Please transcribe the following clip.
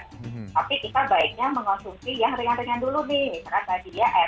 tapi kita baiknya mengonsumsi yang ringan ringan dulu nih misalkan tadi ya